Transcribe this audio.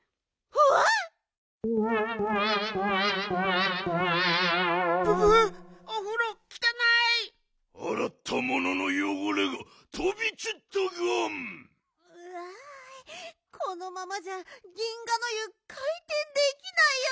うわこのままじゃ銀河の湯かいてんできないよ！